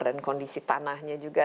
dan kondisi tanahnya juga